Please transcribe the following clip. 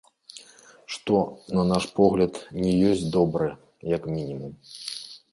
Што, на наш погляд, не ёсць добра, як мінімум.